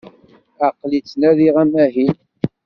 Aqli ttnadiɣ amahil.